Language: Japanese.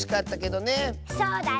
そうだろ？